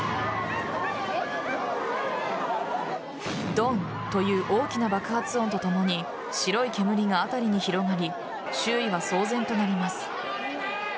ドンという大きな爆発音とともに白い煙が辺りに広がり周囲は騒然となります。